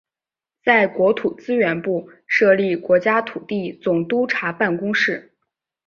在国土资源部设立国家土地总督察办公室。